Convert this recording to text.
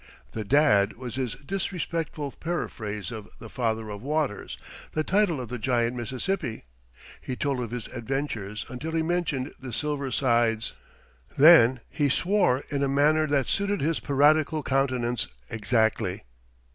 The "Dad" was his disrespectful paraphrase of "The Father of Waters," the title of the giant Mississippi. He told of his adventures until he mentioned the Silver Sides. Then he swore in a manner that suited his piratical countenance exactly.